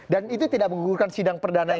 dan itu tidak menggugurkan sidang perdana ini